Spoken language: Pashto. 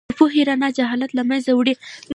د پوهې رڼا جهالت له منځه وړي.